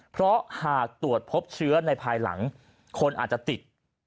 เพราะหากตรวจพบเชื้อในภายหลังคนอาจจะติด